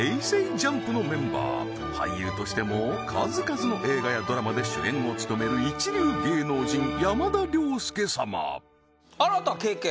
ＪＵＭＰのメンバー俳優としても数々の映画やドラマで主演を務める一流芸能人山田涼介様あなた経験？